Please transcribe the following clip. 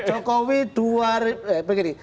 jokowi dua eh begini